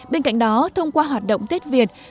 bên cạnh đó thông qua hoạt động tết việt